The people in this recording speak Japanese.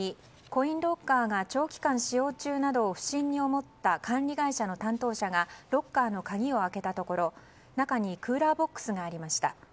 コインロッカーが長期間使用中なのを不審に思った管理会社の担当者がロッカーの鍵を開けたところ中にクーラーボックスがありました。